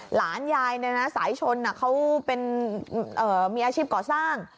หลานยายสายชนเขามีอาชีพก่อสร้าง